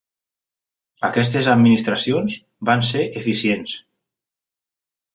Aquestes administracions van ser eficients.